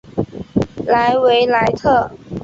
莱维莱特。